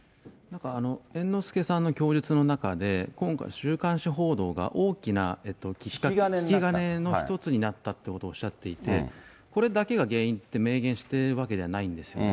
猿之助さんの供述の中で、今回、週刊誌報道が大きな引き金の一つになったってことをおっしゃっていて、これだけが原因って明言してるわけじゃないんですよね。